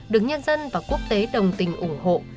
được nhân dân và quốc tế đồng tình ủng hộ